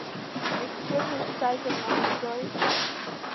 Ашьшьыҳәа шәцәажәар ҟамлаӡои?